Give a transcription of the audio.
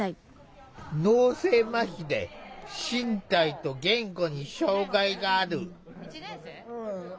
脳性まひで身体と言語に障害がある。